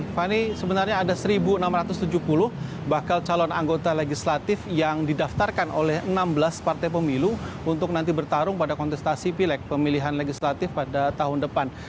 fani sebenarnya ada satu enam ratus tujuh puluh bakal calon anggota legislatif yang didaftarkan oleh enam belas partai pemilu untuk nanti bertarung pada kontestasi pilek pemilihan legislatif pada tahun depan